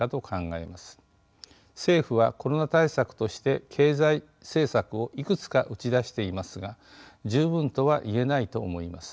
政府はコロナ対策として経済政策をいくつか打ち出していますが十分とは言えないと思います。